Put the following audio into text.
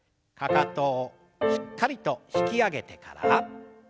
かかとをしっかりと引き上げてから。